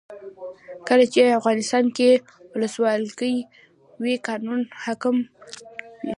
کله چې افغانستان کې ولسواکي وي قانون حاکم وي.